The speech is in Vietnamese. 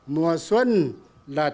mùa xuân là tết trồng cây